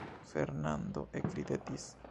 Fernando ekridetis.